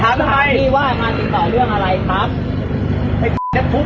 กูคือยาดีกว่านะเดี๋ยวผมก็จะเย็บ